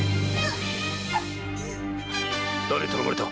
誰に頼まれた？